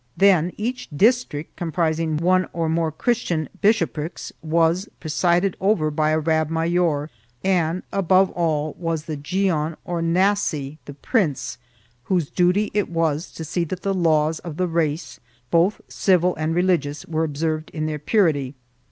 Then each district, comprising one or more Christian bishoprics, was presided over by a Rabb Mayor, and, above all, was the Gaon or Nassi, the prince, whose duty it was to see that the laws of the race, both civil and religious, were observed in their purity.